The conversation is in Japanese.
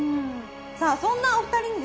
さあそんなお二人にですね